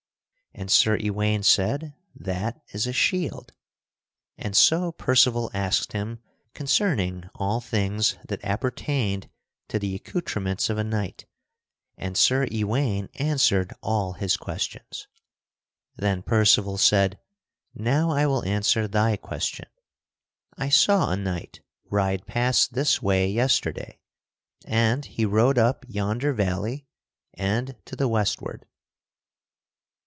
And Sir Ewaine said, "That is a shield." And so Percival asked him concerning all things that appertained to the accoutrements of a knight, and Sir Ewaine answered all his questions. Then Percival said: "Now I will answer thy question. I saw a knight ride past this way yesterday, and he rode up yonder valley and to the westward."